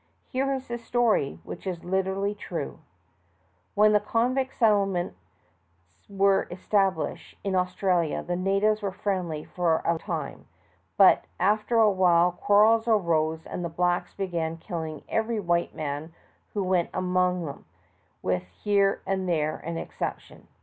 Here is his story, which is literall}^ true: When the convict settlements were established in Australia, the natives were friendly for a time, but after awhile quarrels arose, and the blacks began killing every white man who went among them, with here and there an exception.